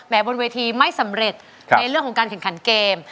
บนเวทีไม่สำเร็จในเรื่องของการแข่งขันเกม